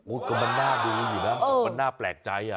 อุ๊ยก็มันน่าดูอยู่แล้วมันน่าแปลกใจ